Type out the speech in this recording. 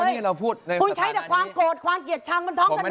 คุณใช้แต่ความโกรธความเกียจชังของท้องกระโดดเนี่ย